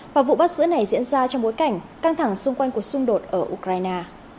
và vụ bắt giữ này diễn ra trong bối cảnh căng thẳng xung quanh cuộc xung đột ở ukraine